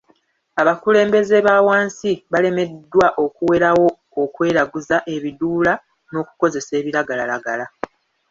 Abakulembeze ba wansi balemereddwa okuwerawo okweraguza, ebiduula, n'okukozesa ebiragalalagala.